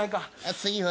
次は。